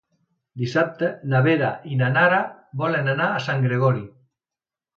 Dissabte na Vera i na Nara volen anar a Sant Gregori.